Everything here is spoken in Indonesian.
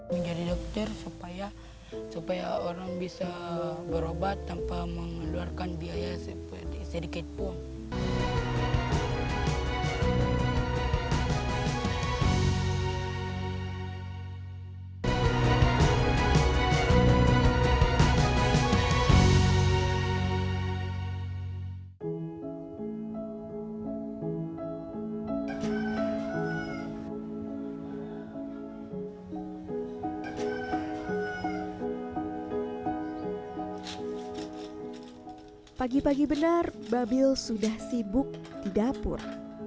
pagi pagi benar babil sudah sibuk di dapur